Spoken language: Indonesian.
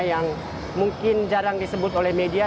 yang mungkin jarang disebut oleh media